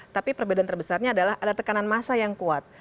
tapi perbedaan terbesarnya adalah ada tekanan massa yang kuat